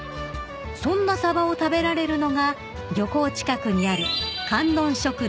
［そんなサバを食べられるのが漁港近くにある］